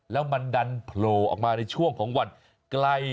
แล้วมันดันโผล่ออกมาในช่วงของวันใกล้